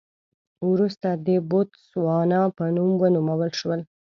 وروسته د بوتسوانا په نوم ونومول شول.